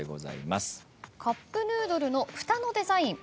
カップヌードルのふたのデザイン